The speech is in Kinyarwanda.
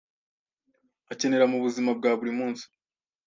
akenera mu buzima bwa buri munsi,